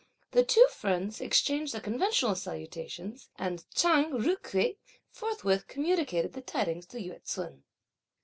The two friends exchanged the conventional salutations, and Chang Ju kuei forthwith communicated the tidings to Yü ts'un.